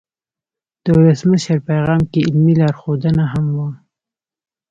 د ولسمشر پیغام کې علمي لارښودونه هم وو.